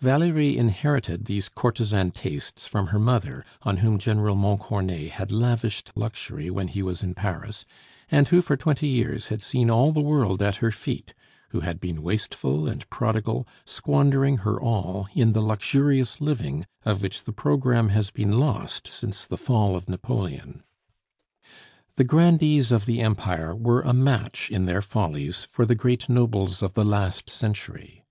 Valerie inherited these courtesan tastes from her mother, on whom General Montcornet had lavished luxury when he was in Paris, and who for twenty years had seen all the world at her feet; who had been wasteful and prodigal, squandering her all in the luxurious living of which the programme has been lost since the fall of Napoleon. The grandees of the Empire were a match in their follies for the great nobles of the last century.